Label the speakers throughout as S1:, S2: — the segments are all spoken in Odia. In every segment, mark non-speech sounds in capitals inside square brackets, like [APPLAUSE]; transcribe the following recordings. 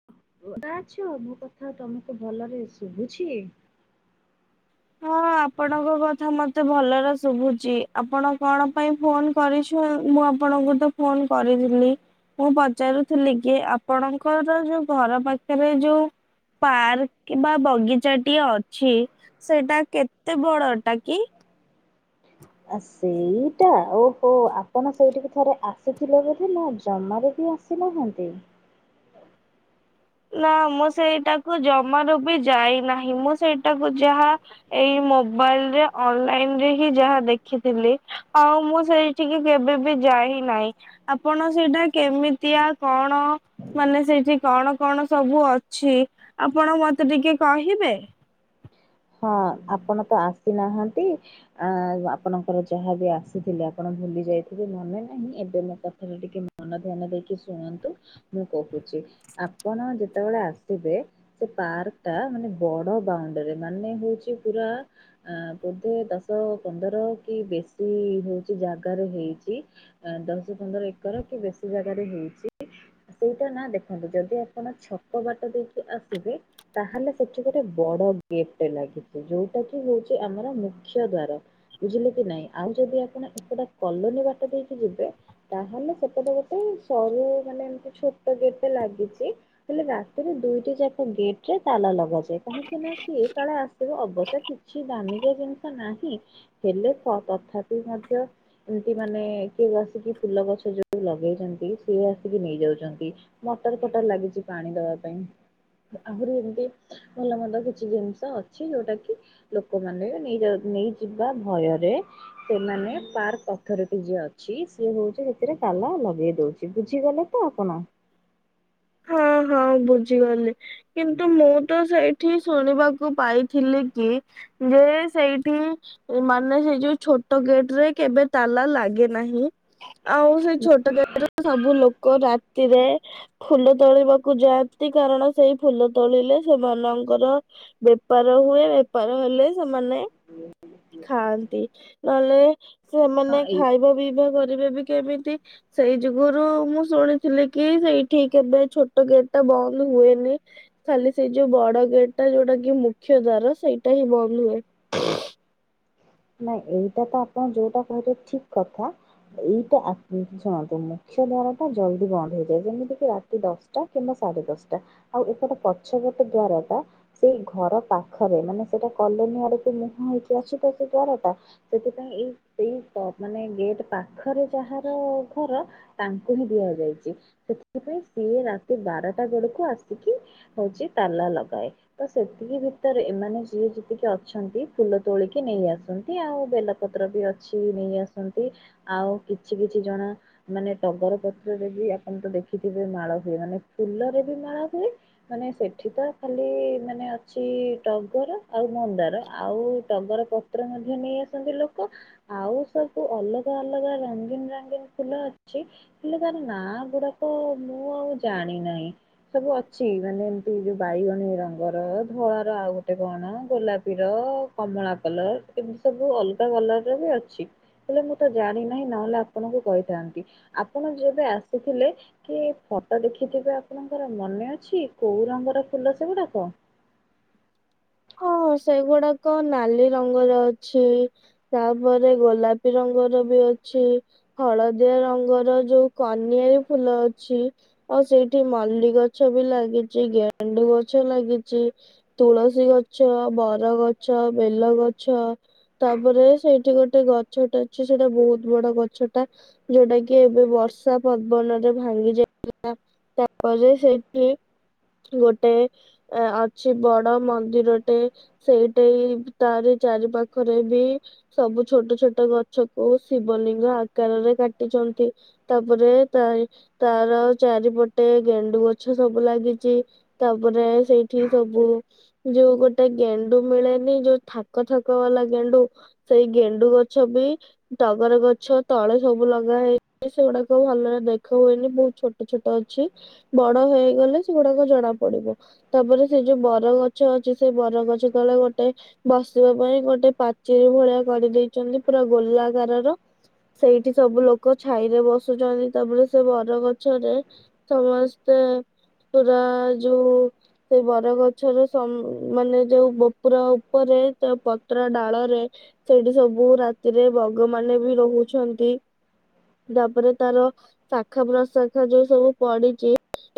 S1: [UNINTELLIGIBLE] ମୋ କଥା ତମକୁ ଭଲରେ ଶୁଭୁଛି?
S2: ହଁ ଆପଣଙ୍କ କଥା ମତେ ଭଲରେ ଶୁଭୁଛି। ଆପଣ କଣ ପାଇଁ ଫୋନ କରିଛ ମୁଁ ଆପଣଙ୍କୁ ତ ଫୋନ କରିଥିଲି। ମୁଁ ପଚାରୁଥିଲି କି ଆପଣଙ୍କର ଯୋଉ ଘର ପାଖରେ ଯୋଉ ପାର୍କ କିମ୍ବା ବଗିଚାଟିଏ ଅଛି ସେଇଟା କେତେ ବଡଟା କି?
S1: ଆ ସେଇଟା ଓହୋ ଆପଣ ସେଇଠିକୁ ଥରେ ଆସିଥିଲେ ବୋଧ ନା ଜମାରେ ବି ଆସ ଆସି ନାହାନ୍ତି।
S2: ନା ମୁଁ ସେଇଟାକୁ ଜମାରୁ ବି ଯାଇନାହିଁ ମୁଁ ସେଇଟାକୁ ଯାହା ଏଇ ମୋବାଇଲରେ ଅନଲାଇନ ରେ ହିଁ ଯାହା ଦେଖିଥିଲି ଆଉ ମୁଁ ସେଇ ଠିକି କେବେ ବି ଯାଇ ନାହିଁ। ଆପଣ ସେଇଟା କେମିତିଆ କଣ ମାନେ ସେଇଠି କଣ କଣ ସବୁ ଅଛି ଆପଣ ମତେ ଟିକେ କହିବେ?
S1: ହଁ ଆପଣ ତ ଆସିନାହାନ୍ତି ଆ ଆପଣଙ୍କର ଯାହାବ ଆସିଥିଲେ ଆପଣ ଭୁଲି ଯାଇଥିବେ ମନେ ନାହିଁ ଏବେ ମୋ କଥାଟା ଟିକେ ମନ ଧ୍ୟାନ ଦେଇକି ଶୁଣନ୍ତୁ ମୁଁ କହୁଛି, ଆପଣ ଯେତେବେଳେ ଆସିବେ ସେ ପାର୍କ ଟା ମାନେ ବଡ ବାଉଣ୍ଡରୀ ମାନେ ହଉଛି ପୁରା ଅ ବୋଧେ ଦଶ ପନ୍ଦର କି ବେଶୀ ହଉଛି ଜାଗାରେ ହେଇଛି। ଦଶ ପନ୍ଦର ଏକର କି ବେଶୀ ଜାଗାରେ ହେଇଛି। ସେଇଟା ନା ଦେଖନ୍ତୁ ଯଦି ଆପଣ ଛକ ବାଟ ଦେଇକି ଆସିବେ। ତାହେଲେ ସେଠି ଗୋଟେ ବଡ ଗେଟ୍ ଲାଗିଛି ଯୋଉଟା କି ହଉଛି ଆମର ମୁଖ୍ୟ ଦ୍ଵାର। ବୁଝିଲେ କି ନାଇଁ ଆଉ ଯଦି ଆପଣ ଏପଟା କଲୋନୀ ବାଟ ଦେଇକି ଯିବେ ତାହେଲେ ସେପଟେ ଗୋଟେ ସରୁ ମାନେ ଛୋଟ ଗେଟ୍ ଟେ ଲାଗିଛି ହେଲେ ରାତିରେ ଦୁଇଟି ଯାକ ଗେଟ୍ ରେ ତାଲା ଲଗାଯାଏ ସେ କାହିଁକି ନାଁ କିଏ କାଳେ ଆସିବ ଅବଶ୍ୟ କିଛି ଦାମିକିଆ ଜିନିଷ ନାହିଁ। ହେଲେ ଥ ତ ତଥାପି ମଧ୍ୟ ତ ଏମିତି ମାନେ କିଏ ଆସିକି ଫୁଲ ଗଛ ଯୋଉଁ ଲଗେଇଛନ୍ତି କିଏ ଆସିକି ନେଇଯାଉଛନ୍ତି। ଛନ୍ତି। ମଟର ଫଟର ଲାଗିଛି ପାଣି ଦବା ପାଇଁ ଆହୁରି ଏମିତି ଭଲମନ୍ଦ କିଛି ଜିନିଷ ଅଛି ଯୋଉଁଟା କି ଲୋକମାନେ ନେଇଯାଉ ନେଇଯିବା ଭୟରେ ସେମାନେ ପାର୍କ ଅଥରଟି ଯିଏ ଅଛି ସିଏ ହଉଛି ସେଥିରେ ତାଲା ଲଗେଇ ଦଉଛି ବୁଝିଗଲେ ତ। କହୁନ
S2: ହଁ ହଁ ବୁଝିଗଲି। କିନ୍ତୁ ମୁଁ ତ ସେଇଠି ଶୁଣିବାକୁ ପାଇଥିଲି କି ଯିଏ ସେଇଠିଁ ଓ ମାନେ ସେଇ ଯୋଉ ଛୋଟ ଗେଟ ରେ କେବେ ତାଲା ଲାଗେ ନାହିଁ। ଆଉଁ ସେଇ ଛୋଟ ଗେଟ୍ ରେସବୁ ଲୋକ ରାତିରେ ଫୁଲ ତୋଳିବାକୁ ଯାଆନ୍ତି କାରଣ ସେଇ ଫୁଲ ତୋଳିଲେ ସେମାନଙ୍କର ବେପାର ହୁଏ। ବେପାର ହେଲେ ସେମାନେ ଖାଆନ୍ତି। ନହେଲେ
S1: ହଁ
S2: ସେମାନେ
S1: ଏଇ
S2: ଖାଇବା ପିଇବା କରିବା ବି କେମିତି ସେଇ ଯୋଗୁରୁ ମୁଁ ଶୁଣିଥିଲି କି ସେଇ କି କେବେ ଛୋଟ ଗେଟ ଟା ବନ୍ଦ ହୁଏନି। ଖାଲି ସେଇ ଯୋଉଁ ବଡ ଗେଟ୍ ଟା ଯୋଉଁଟା କି ମୁଖ୍ୟ ଦ୍ୱାର ସେଇଟା ହିଁ ବନ୍ଦ ହୁଏ।
S1: ନାଇଁ ଏଇଟା ତ ଆପଣ ଯୋଉଁଟା କହିଲେ ଠିକ କଥା। ଏଇଟା ଆଁ ଉଁ ଶୁଣନ୍ତୁ ମୁଖ୍ୟ ଦ୍ୱାର ଟା ଜଲଦି ବନ୍ଦ ହେଇଯାଏ। ଯେମିତି କିି ରାତି ଦଶ ଟା କିମ୍ବା ସାଢେ ଦଶଟା ଆଉଁ ଏପଟେ ପଛପଟ ଦ୍ଵାରା ଟା ସେଇ ଘର ପାଖରେ ମାନେ ସେଇଟା କଲୋନୀ ଆଡକୁ ମୁହଁ ହେଇକି ଅଛି ତ ସେ ଦ୍ଵାର ଟା ସେଥିପାଇଁ ଏଇ ସେଇ ମାନେ ଗେଟ ପାଖରେ ଯାହାର ଘର ତାଙ୍କୁ ହିଁ ଦିଆଯାଇଛି। ସେଥିପାଇଁ ସିଏ ରାତି ବାରଟା ବେଳକୁ ଆସିକି ହଉଛି ତାଲା ଲଗାଏ। ତ ସେତିକି ଭିତରେ ଏମାନେ ଯିଏ ଯେତିକି ଅଛନ୍ତି। ଫୁଲ ତୋଳିକି ନେଇଆସ ଛନ୍ତି ଆଉ ବେଲପତ୍ର ବି ଅଛି ନେଇ ଆସନ୍ତି ଆଉ କିଛି କିଛି ଜଣ ମାନେ ଟଗର ପତ୍ରରେ ବି ଆପଣ ତ ଦେଖିଥିବେ ମାଳ ହୁଏ। ମାନେ ଫୁଲରେ ବି ମାଳ ହୁଏ। ମାନେ ସେଠିଁ ତ ଖାଲି ମାନେ ଅଛି ଟଗର। ଆଉ ମନ୍ଦାର ଆଉଁ ଟଗର ପତ୍ର ମଧ୍ୟ ନେଇ ଆସନ୍ତି ଲୋକ। ଆଉ ସବୁ ଅଲଗା ଅଲଗା ରଙ୍ଗୀନ ରଙ୍ଗୀନ ଫୁଲ ଅଛି। ହେଲେ ତାର ନାଁ ଗୁଡାକ ମୁଁ ଆଉ ଜାଣି ନାହିଁ। ସବୁ ଅଛି ମାନେ ଏମିତି ଯୋଉ ବାଇଗଣୀ ରଙ୍ଗର ଧଳା ର ଆଉ ଗୋଟେ କଣ ଗୋଲାପୀର କମଳା କଲର ଏମିତି ସବୁ ଅଲଗା କଲର ର ବି ଅଛି। ହେଲେ ମୁଁ ତ ଜାଣି ନାହିଁ ନହେଲେ ଆପଣଙ୍କୁ କହିଥାନ୍ତି। ଆପଣ ଯେବେ ଆସିଥିଲେ କି ଏଫଟୋ ଦେଖିଥିବେ ଆପଣଙ୍କର ମନେ ଅଛି କୋଉଁ ରଙ୍ଗର ଫୁଲ ସେଗୁଡାକ?
S2: ହଁ ସେଗୁଡାକ ନାଲି ରଙ୍ଗର ଅଛି। ତାପରେ ଗୋଲାପି ରଙ୍ଗର ବି ଅଛି। ହଳଦିଆ ରଙ୍ଗର ଯୋଉଁ କନିଆରି ଫୁଲ ଅଛି। ଆଉ ସେଇଠିଁ ମଲ୍ଲି ଗଛ ବି ଲାଗିଛି ଗେଣ୍ଡୁ ଗଛ ଲାଗିଛି। ତୁଳସୀ ଗଛ ବର ଗଛ ବେଲ ଗଛ ତାପରେ ସେଇଠିଁ ଗୋଟେ ଗଛଟା ଅଛି ସେଇଟା ବହୁତ ବଡ ଗଛ ଟା ଯୋଉଁଟା କି ଏବେ ବର୍ଷା ପବନରେ ଭାଙ୍ଗି ଯାଇଥିଲା। ତାପରେ ସେଇଠି ଗୋଟେ ଅ ଅଛି ବଡ ମନ୍ଦିରଟେ ସେଇଟା ତାରି ଚାରି ପାାଖରେ ବି ସବୁ ଛୋଟ ଛୋଟ ଗଛ କୁ ଶିବଲିଙ୍ଗ ଆକାରରେ କାଟିଛନ୍ତି। ତାପରେ ତାରି ତାର ଚାରିପଟେ ଗେଣ୍ଡୁ ଗଛ ସବୁ ଲାଗିଛି। ତାପରେ ସେଇଠି ସବୁ ଯୋଉ ଗୋଟେ ଗେଣ୍ଡୁ ମିଳେନି ଯୋଉ ଥାକ ଥାକ ବାଲା ଗେଣ୍ଡୁ ସେଇ ଗେଣ୍ଡୁ ଗଛ ବି ଟଗର ଗଛ ତଳେ ସବୁ ଲଗା ହେଇଛି, ସେଗୁଡାକ ଭଲରେ ଦେଖା ହୁଏନି ବହୁତ ଛୋଟ ଛୋଟ ଅଛି ବଡ ହେଇଗଲେ ସେଗୁଡାକ ଜଣା ପଡିବ। ତାପରେ ସେ ଯୋଉ ବରଗଛ ଅଛି ସେ ବରଗଛ ତଳେ ଗୋଟେ ବସିବା ପାଇଁ ଗୋଟେ ପାଚେରୀ ଭଳିଆ କରିଦେଇଛନ୍ତି ପୁରା ଗୋଲାକାରର ସେଇଠି ସବୁ ଲୋକ ଛାଇ ରେ ବସୁଛନ୍ତି ତାପରେ ସେ ବରଗଛରେ ସମସ୍ତେ ପୁରା ଯୁ ସେଇ ବରଗଛର ସମ ମାନେ ଯୋଉ ବୋପୁରା ଉପରେ ଯ ପତ୍ର ଡାଳରେ ସେଇଠି ସବୁ ରାତିରେ ବଗ ମାନେ ବି ରହୁଛନ୍ତି। ତାପରେ ତାର ଶାଖା ପ୍ରଶାଖା ଯୋଉ ସବୁ ପଡିଚି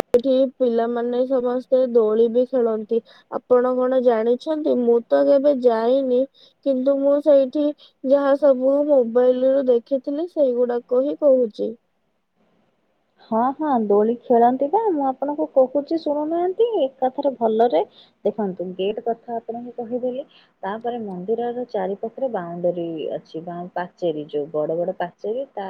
S2: ଏଇଠି ପିଲାମାନେ ସମସ୍ତେ ଦୋଳି ବି ଖେଳନ୍ତି ଆପଣ କଣ ଜାଣିଛନ୍ତି? ମୁଁ ତ କେବେ ଯାଇନି। କିନ୍ତୁ ମୁଁ ସେଇଠି ଯାହା ସବୁ ମୋବାଇଲ ରୁ ଦେଖିଥିଲି, ସେଇଗୁଡାକ ହିଁ କହୁଚି।
S1: ହଁ, ହଁ ଦୋଳି ଖେଳନ୍ତି ବା, ମୁଁ ଆପଣଙ୍କୁ କହୁଛି ଶୁଣୁନାହାନ୍ତି, ଏକାଥରେ ଭଲରେ। ଦେଖନ୍ତୁ ଗେଟ୍ କଥା ଆପଣଙ୍କୁ କହିଦେଲି। ତାପରେ ମନ୍ଦିରର ଚାରି ପାଖରେ ବାଉଣ୍ଡେରୀ ଅଛି ବା ପାଚେରୀ ଯୋଉ ବଡ ବଡ ପା ଚେରୀ ତା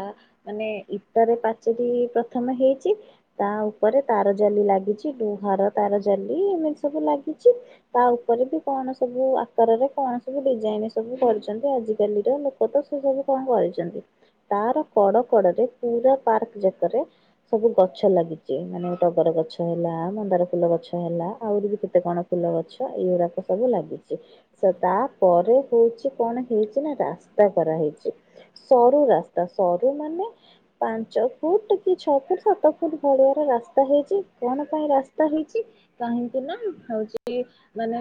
S1: ମାନେ ଇଟାରେ ପାଚେରୀ ପ୍ରଥମେ ହେଇଛି। ତା ଉପରେ ତାର ଜାଲି ଲାଗିଛି, ଘର ତାର ଜାଲି ଏମିତି ସବୁ ଲାଗିଛି। ତା ଉପରେ ବି କଣ ସବୁ ଆକାରରେ କଣ ସବୁ ଡିଜାଇନ ସବୁ କରୁଛନ୍ତି ଆଜିକାଲିର ଲୋକ। ତ ତ ସେ ସବୁ କଣ କରିଛନ୍ତି ତାର କଡ କଡରେ ପୁରା ପାର୍କ ଯାକରେ ସବୁ ଗଛ ଲାଗିଛି ମାନେ ଟଗର ଗଛ ହେଲା, ମନ୍ଦାର ଫୁଲ ଗଛ ହେଲା, ଆହୁରି ବି କେତେ କଣ ଫୁଲ ଗଛ ଏଇରାକ ସବୁ ଲାଗିଚି। ଶ ତାପରେ ହଉଛି କଣ ହେଇଛି ନା ରାସ୍ତା କରାହେଇଛି। ସରୁ ରାସ୍ତା ସରୁ ମାନେ ପାଞ୍ଚ ଫୁଟ ସେ ଛଅ ଫୁଟ ସାତ ଫୁଟ ଭଳିଆ ର ରାସ୍ତା ହେଇଛି। କଣ ପାଇଁ ରାସ୍ତା ହେଇଛି? କାହିଁକି ନା [UNINTELLIGIBLE] ହଉଛି ମାନେ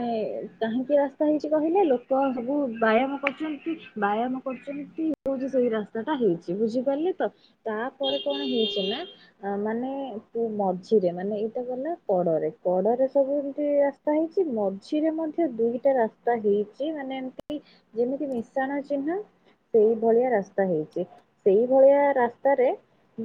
S1: କାହିଁକି ରାସ୍ତା ହେଇଛି କହିଲେ? ଲୋକ ସବୁ ବ୍ୟାୟାମ କରୁଛନ୍ତି ବ୍ୟାୟାମ କରୁଛନ୍ତି ହଉ ସେଇ ରାସ୍ତା ଟା ହେଇଛି ବୁଝିପାରିଲେ ତ ତାପରେ କଣ ହେଇଛି? ମାନେ ତୁ ମଝିରେ ମାନେ ଏଇଟା ଗଲା କଡରେ କଡରେ ସବୁ ଏମତି ରାସ ତା ହେଇଛି ମଝିରେ ମଧ୍ୟ ଦୁଇଟା ରାସ୍‌ ତା ହେଇଛି ମାନେ ଏମତି ଯେମିତି ମିଶାଣ ଚିହ୍ନ। ସେଇ ଭଳିଆ ରାସ୍ତା ହେଇଛି ସେଇ ଭଳିଆ ରାସ୍ତାରେ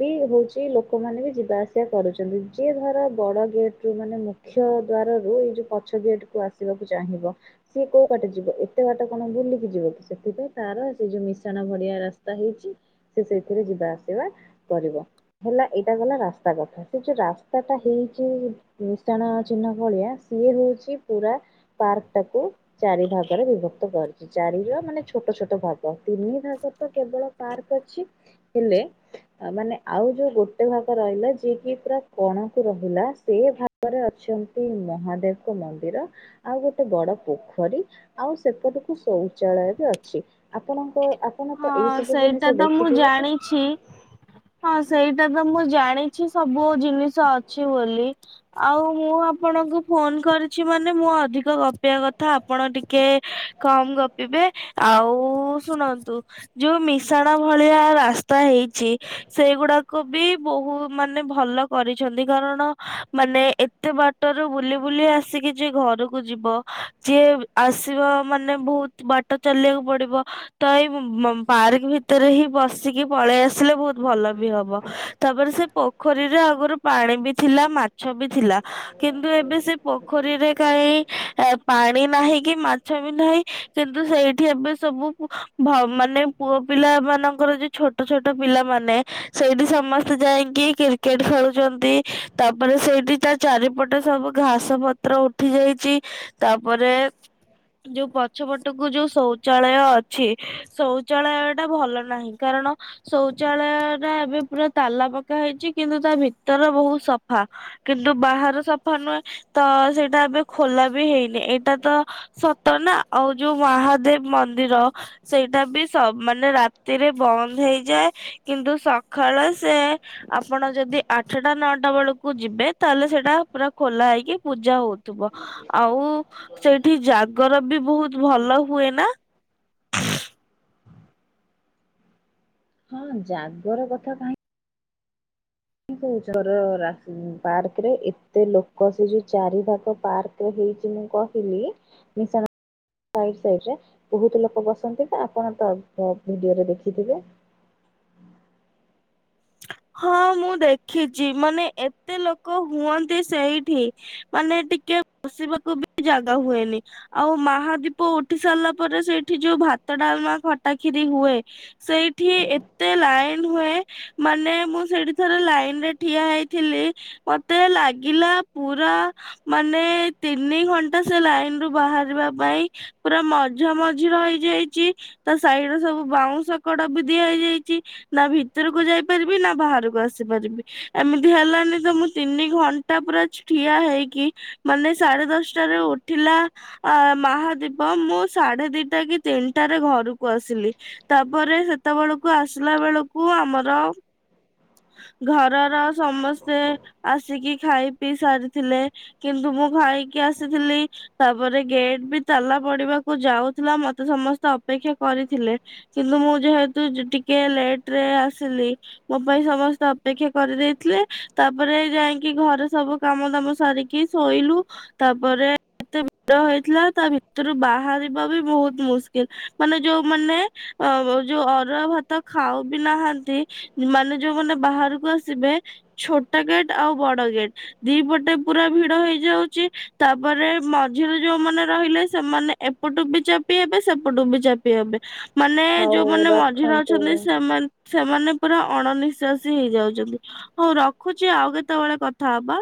S1: ବି ହଉ ଚି ଲୋକମାନେ ବି ଯିବା ଆସିବା କରୁଛନ୍ତି ଯିଏ ଧର ବଡ ଗେଟ ରୁ ମାନେ ମୁଖ୍ୟ ଦ୍ଵାର ରୁ ଏଇ ଯୋଉ ପଛ ଗେଟ କୁ ଆସିବାକୁ ଚାହିଁବ। ସିଏ କୋଉ ବାଟ ଯିବ, ଏତେ ବାଟ କଣ ବୁଲିକି ଯିବ କି ସେଥିପାଇଁ ତାର ସେ ଯୋଉ ମିଶାଣ ଭଳିଆ ରାସ୍ତା ହେଇଛି ସେ ସେଇଥିରେ ଯିବା ଆସିବା କରିବ। ହେଲା ଏଇଟା ଗଲା ରାସ୍ତା କଥା ସେ ଯୋଉ ରାସ୍ତାଟା ହେଇଛି ବିଶାଣ ଚିହ୍ନ ଭଳିଆ ସିଏ ହଉଛି ପୁରା ପାର୍କ ଟାକୁ ଚାରି ଭାଗରେ ବିଭକ୍ତ କରିଚି। ଚାରିର ମାନେ ଛୋଟ ଛୋଟ ଭାଗ ତିନି ଭାଗ ତ କେବଳ ପାର୍କ ଅଛି ହେଲେ ମାନେ ଆଉ ଯୋଉ ଗୋଟେ ଭାଗ ରହିଲା ଯିଏ କି ପୁରା କଣକୁ ରହିଲା ସେ ଭାଗରେ ଅଛ ନ୍ତି ମହାଦେବଙ୍କ ମନ୍ଦିର ଆଉ ଗୋଟେ ବଡ ପୋଖରୀ ଆଉ ସେପଟକୁ ଶୌଚାଳୟ ବି ଅଛି ଆପଣଙ୍କ ଆ
S2: ହଁ ସେଇଟା ତ ମୁଁ ଜାଣିଛି ହଁ ସେଇଟା ତ ମୁଁ ଜାଣିଛି ସବୁ ଜିନିଷ ଅଛି ବୋଲି ଆଉ ମୁଁ ଆପଣଙ୍କୁ ଫୋନ କରିଛି ମାନେ ମୁଁ ଅଧିକ ଗପିବା କଥା ଆପଣ ଟିକେ ଏ ହେ କମ ଗପିବେ ଆଉ ଶୁଣନ୍ତୁ ଯୋଉ ମିଶାଣ ଭଳିଆ ରାସ୍ତା ହେଇଚି ସେଗୁଡାକ ବି ବହୁ ମାନେ ଭଲ କରିଛନ୍ତି କାରଣ ମାନେ ଏତେ ବାଟରୁ ବୁଲିବୁଲି ଆସିକି ଜି ଘରକୁ ଯିବ ଯିଏ ଆସିବ ମାନେ ବହୁତ ବାଟ ଚାଲିବାକୁ ପଡିବ ତ ଏଇ ପାର୍କ ଭିତରେ ହିଁ ବସିକି ପଳେଇ ଆସିଲେ ବହୁତ ଭଲ ବି ହବ ତାପରେ ସେ ପୋ ପୋଖରୀରେ ଆଗରୁ ପାଣି ବି ଥିଲା ମାଛ ବି ଥିଲା କିନ୍ତୁ ଏବେ ସେ ପୋଖରୀରେ କାଇଁ ଏ ପାଣି ନାହିଁ କି ମାଛ ବି ନାହିଁ କିନ୍ତୁ ସେଇଠି ଏବେ ସବୁ ଭ ମାନେ ପୁଅ ପିଲା ମାନଙ୍କର ଯୋଉ ଛୋଟ ଛୋଟ ପିଲାମାନେ ସେଇଠି ସମସ୍ତେ ଯାଇଁକି କି କ୍ରିକେଟ ଖେଳୁଚନ୍ତି ତାପରେ ସେଇଠି ତା ଚାରିପଟେ ସବୁ ଘାସ ପତ୍ର ଉଠି ଯାଇଚି ତାପରେ ଯୋଉ ପଛ ପଟକୁ ଯୋଉ ଶୌଚାଳୟ ଅଛି ଶୌଚାଳୟ ଟା ଭଲ ନାହିଁ କାରଣ ଶୌଚାଳୟ ଟା ଏବେ ପୁରା ତାଲା ପକାହେଇଛି କିନ୍ତୁ ତା ଭିତର ବହୁତ ସଫା। କିନ୍ତୁ ବାହାର ସଫା ନୁହେଁ ତ ସେଇଟା ଏବେ ଖୋଲା ବି ହେଇନି ଏଇଟା ତ ସତ ନା ଆଉ ଯୋଉ ମହାଦେବ ମନ୍ଦିର ସେଇଟା ବି ସ ମାନେ ରାତିରେ ବନ୍ଦ ହେଇଯାଏ କିନ୍ତୁ ସଖାଳେ ସେ ଆପଣ ଯଦି ଆଠେଟା ନଅଟା ବେଳକୁ ଯିବେ ତାହେଲେ ସେଇଟା ପୁରା ଖୋଲା ହେଇକି ପୂଜା ହଉଥିବ। ଆଉ ସେଇଠି ଜାଗର ବି ବହୁତ ଭଲ ହୁଏ ନା?
S1: ହଁ ଜାଗର କଥା କାହିଁ କାଇଁ କହୁଚ ର ପାର୍କ ରେ ଏତେ ଲୋକ ସେ ଯଉ ଚାରି ପାଖ ପାର୍କ ଯଉ ହଉଚି ମୁଁ କହିଲି ମିଶାଣ ସାଇଡ଼ ସାଇଡ ରେ ବହୁତ ଲୋକ ବସନ୍ତି ତ ଆପଣ ତ ଭିଡିଓରେ ଦେଖିଥିବେ
S2: ହଁ ମୁଁ ଦେଖିଚି ମାନେ ଏତେ ଲୋକ ହୁଅନ୍ତି ସେଇଠି ମାନେ ଟିକେ ବସିବାକୁ ବି ଜାଗା ହୁଏନି। ଆଉ ମାହାଦୀପ ଉଠି ସାରିଲା ପରେ ସେଇଠି ଯୋଉ ଭାତ ଡାଲମା ଖଟାଖିରି ହୁଏ ସେଇଠି ଏତେ ଲାଇନ ହୁଏ ମାନେ ମୁଁ ସେଇଠି ଥରେ ଲାଇନ ରେ ଠିଆ ହେଇଥିଲି ମତେ ଲାଗିଲା ପୁରା ମାନେ ଏ ତିନି ଘଣ୍ଟା ସେ ଲାଇନ ରୁ ବାହାରିବା ପାଇଁ ପୁରା ମଝା ମଝି ରହିଯାଇଚି ତା ସାଇଡ ର ସବୁ ବାଉଁଶ କଡ ବି ଦିଆ ହେଇଯାଇଛି ନା ଭିତରକୁ ଯାଇ ପା ପାରିବି ନା ବାହାରକୁ ଆସିପାରିବି ଏମିତି ହେଲାନି ତ ମୁଁ ତିନି ଘଣ୍ଟା ପୁରା ଛି ଠିଆ ହେଇକି ମାନେ ସାଢେ ଦଶଟାରୁ ଉଠିଲା ଆ ମହାଦୀପ ମୁଁ ସାଢେ ଦିଟା କି ତିନିଟରେ ଘରକୁ ଆସିଲି। ତାପରେ ସେତେବେଳକୁ ଆସିଲା ବେଳକୁ ଆମର ଘରର ସମସ୍ତେ ଆସିକି ଖାଇ ପିଇ ସାରିଥିଲେ କିନ୍ତୁ ମୁଁ ଖାଇକି ଆସିଥିଲି ତାପରେ ଗେଟ୍ ବି ତାଲା ପଡିବାକୁ ଯାଉଥିଲା ମତେ ସମସ୍ତେ ଅପେକ୍ଷା କରିଥିଲେ। କିନ୍ତୁ ମୁଁ ଯେହେତୁ ଟିକେ ଲେଟ ରେ ଆସିଲି ମୋ ପାଇଁ ସମସ୍ତେ ଅପେକ୍ଷା କରିଦେଇଥିଲେ ତାପରେ ଯାଇକି ଘରେ ସବୁ କାମ ଦାମ ସାରି କି ଶୋଇଲୁ ତାପରେ ଏତେ ଭିଡ ହେଇଥିଲା ତା ଭିତରୁ ବାହାରିବା ବି ବହୁତ ମୁସ୍କିଲ ମାନେ ଯୋଉମାନେ ଆଉ ଯୋଉ ଅରୁଆ ଭାତ ଖାଉ ବି ନାହାନ୍ତି ମାନେ ଯୋଉମାନେ ବାହାରକୁ ଆସିବେ ଛୋଟ ଗେଟ ଆଉ ବଡ ଗେଟ୍ ଦି ପଟେ ପୁରା ଭିଡ ହେଇଯାଉଛି ତାପରେ ମଝିରେ ଯୋଉମାନେ ରହିଲେ ସେମାନେ ଏପଟୁ ବି ଚାପି ହେବେ ସେପଟୁ ବି ଚାପି ହେବେ। ମାନେ
S1: ହଉ
S2: ଯୋଉମାନେ ମଝିରେ
S1: ରଖନ୍ତୁ।
S2: ଅଛନ୍ତି ସେମାନେ ସେମାନେ ପୁରା ଅଣନିଶ୍ୱା ସି ହେଇଯାଉଛନ୍ତି ହଉ ରଖୁଛି ଆଉ କେତେବେଳେ କଥା ହବା।